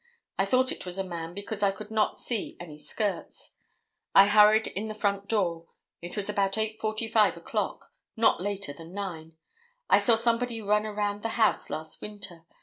I thought it was a man because I could not see any skirts. I hurried in the front door. It was about 8:45 o'clock; not later than 9. I saw somebody run around the house last winter.